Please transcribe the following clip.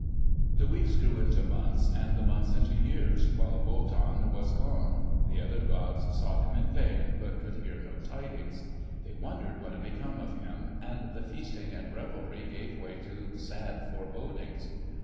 The weeks grew into months and the months into years, while Wotan was gone. The other gods sought him in vain, but could hear no tidings. They wondered what had become of him, and the feasting and revelry gave way to sad forebodings.